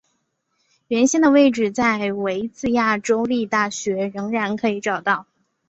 原先的位置在维兹亚州立大学仍然可以找到。